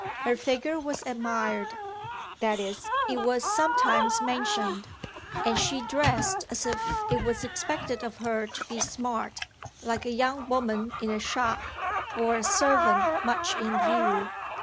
Her figure was admired that is it was sometimes mentioned and she dressed as if it was expected of her to be smart, like a young woman in a shop or a servant much in view.